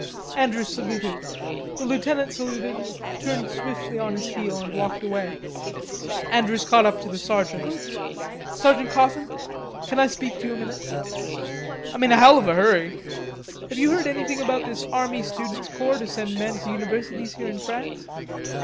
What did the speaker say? Andrews saluted. The lieutenant saluted, turned swiftly on his heel and walked away. Andrews caught up to the sergeant. "Sergeant Coffin. Can I speak to you a minute?" "I'm in a hell of a hurry." "Have you heard anything about this army students' corps to send men to universities here in France?